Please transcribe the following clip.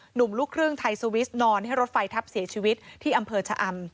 หนุ่มลูกครึ่งไทยสวิสนอนให้รถไฟทับเสียชีวิตที่อำเภอชะอำ